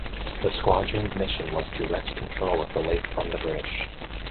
The squadron's mission was to wrest control of the lake from the British.